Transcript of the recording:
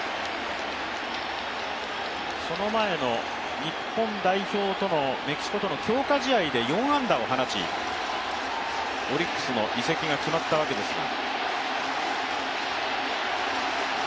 その前の日本代表とのメキシコとの強化試合で４安打を放ち、オリックスの移籍が決まったわけですが。